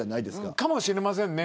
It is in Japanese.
かもしれませんね